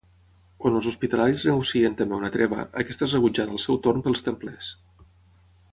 Quan els Hospitalaris negocien també una treva, aquesta és rebutjada al seu torn pels Templers.